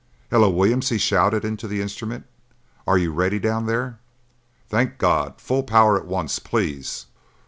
"Hello, Williams!" he shouted into the instrument. "Are you ready down there? Thank God! Full power at once, please!